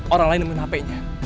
orang lain nemenin hpnya